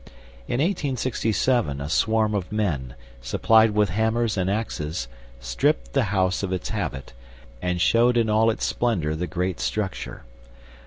In 1867 a swarm of men, supplied with hammers and axes, stripped the house of its habit, and showed in all its splendor the great structure.